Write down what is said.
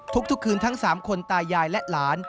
ทุกคืนทั้ง๓คนตายายและหลาน